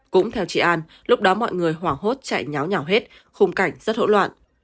cũng theo chị an lúc đó mọi người hoảng hốt chạy nháo nhỏ hết khung cảnh rất hỗn loạn